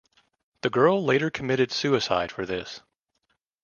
The girl later committed suicide for this.